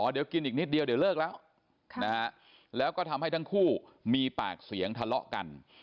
เดี๋ยวกินอีกนิดเดียวเดี๋ยวเลิกแล้วแล้วก็ทำให้ทั้งคู่มีปากเสียงทะเลาะกัน